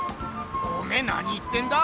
おめえ何言ってんだ？